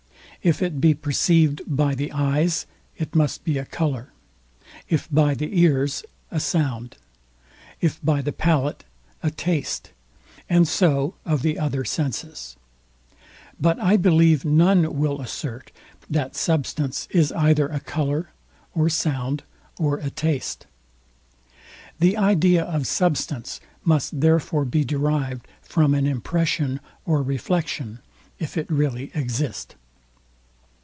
If it be perceived by the eyes, it must be a colour; if by the ears, a sound; if by the palate, a taste; and so of the other senses. But I believe none will assert, that substance is either a colour, or sound, or a taste. The idea, of substance must therefore be derived from an impression of reflection, if it really exist.